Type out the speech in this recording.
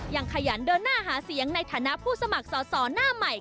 ขยันเดินหน้าหาเสียงในฐานะผู้สมัครสอสอหน้าใหม่